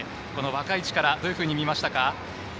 若い力、どういうふうに見ましたか？